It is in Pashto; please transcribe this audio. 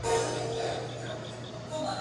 هم له پنده څخه ډکه هم ترخه ده.